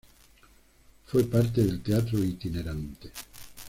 Fue parte del teatro itinerante.